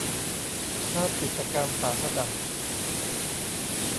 ภาพจิตรกรรมฝาผนัง